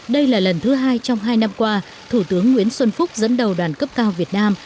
đây là lần thứ hai trong hai năm qua thủ tướng nguyễn xuân phúc dẫn đầu đoàn cấp cao việt nam